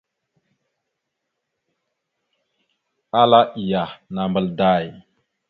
Ala iyah, nambal day !